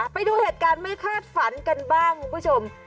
ไปดูเหตุการณ์ไม่คาดฝันกันบ้างคุณผู้ชม